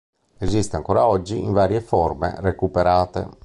Esiste ancora oggi in varie forme recuperate.